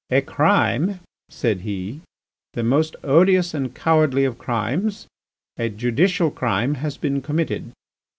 "A crime," said he, "the most odious and cowardly of crimes, a judicial crime, has been committed.